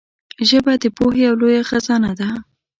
ژبه د پوهې یو لوی خزانه ده